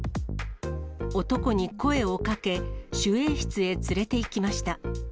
男に声をかけ、守衛室へ連れていきました。